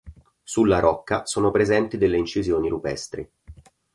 Sulla Rocca sono presenti delle incisioni rupestri.